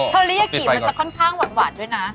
อริยากิมันจะค่อนข้างหวานด้วยนะ